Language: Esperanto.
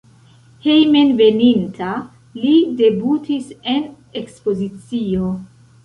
Hejmenveninta li debutis en ekspozicio.